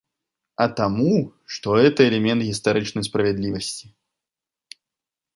А таму, што гэта элемент гістарычнай справядлівасці.